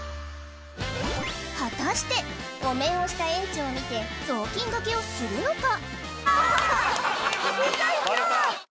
果たしてお面をした園長を見て雑巾がけをするのか？